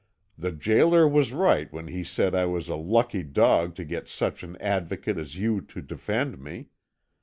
The gaoler was right when he said I was a lucky dog to get such an Advocate as you to defend me.